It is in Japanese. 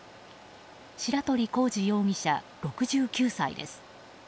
白鳥功二容疑者、６９歳です。